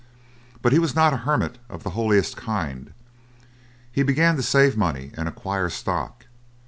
But he was not a hermit of the holiest kind. He began to save money and acquire stock.